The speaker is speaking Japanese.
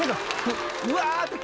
うわっと。